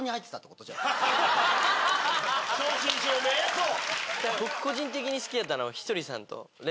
そう！